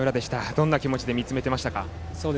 どんな気持ちで見つめてましたか。